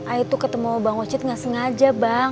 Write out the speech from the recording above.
ay itu ketemu bang ocit gak sengaja bang